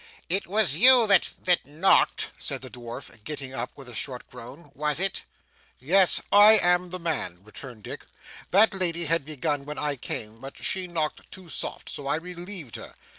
'It was you that that knocked,' said the dwarf, getting up with a short groan, 'was it?' 'Yes, I am the man,' replied Dick. 'That lady had begun when I came, but she knocked too soft, so I relieved her.